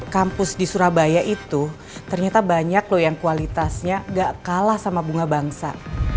kampus di surabaya itu ternyata banyak loh yang kualitasnya gak kalah sama bunga bangsa